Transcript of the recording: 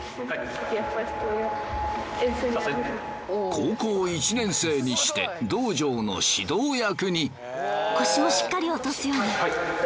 高校１年生にして道場の指導役に。